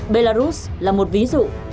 belarus là một ví dụ